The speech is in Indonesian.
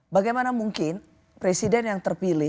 bagaimana mungkin presiden yang terpilih